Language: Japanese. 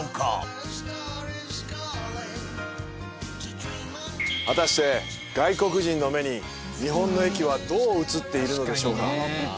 桐谷：果たして、外国人の目に日本の駅はどう映っているのでしょうか？